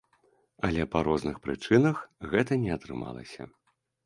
Але па розных прычынах гэта не атрымалася.